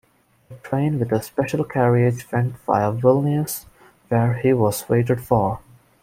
The train with a special carriage went via Vilnius where he was waited for.